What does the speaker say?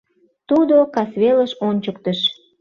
Тудо касвелыш ончыктыш.